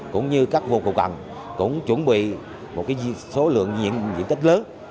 cũng như các vô cầu cận cũng chuẩn bị một số lượng diện tích lớn